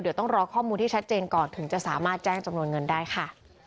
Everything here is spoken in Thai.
เดี๋ยวต้องรอข้อมูลที่ชัดเจนก่อนถึงจะสามารถแจ้งจำนวนเงินได้ค่ะ